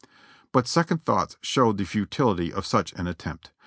But second thoughts showed the futility of such an attempt.